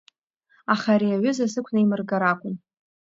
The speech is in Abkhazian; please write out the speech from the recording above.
Аха ари аҩыза сықәнаимыргар акәын…